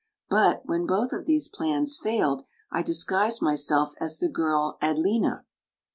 ' But, when both of these plans failed, I disguised my self as the girl Adlena."